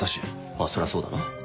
まあそりゃそうだな。